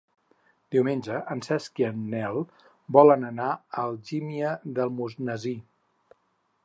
Diumenge en Cesc i en Nel volen anar a Algímia d'Almonesir.